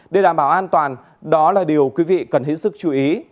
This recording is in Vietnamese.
để đảm bảo an toàn đó là điều quý vị cần hết sức chú ý